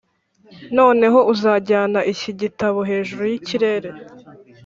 noneho uzajyana iki gitabo hejuru yikirere,